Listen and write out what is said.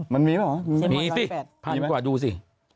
มันีหรอมีสิมีกว่าดูสิ